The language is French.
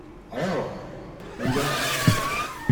Alors ! Mon gars !